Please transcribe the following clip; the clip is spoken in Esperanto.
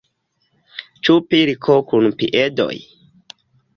Ĉu pilko kun piedoj?